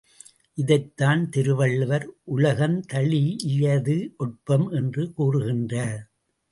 இதைத்தான் திருவள்ளுவர் உலகந் தழீஇயது ஒட்பம் என்று கூறுகின்றார்.